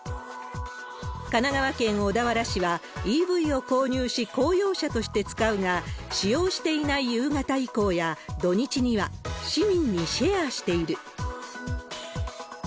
神奈川県小田原市は、ＥＶを購入し公用車として使うが、使用していない夕方以降や土日には、市民にシェアしている。